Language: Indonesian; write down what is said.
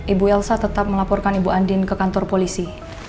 ibu elsa tetap melaporkan ibu andin ke kantor polisi